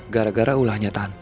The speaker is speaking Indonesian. gara gara ulahnya tanti